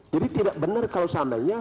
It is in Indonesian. jadi tidak benar kalau seandainya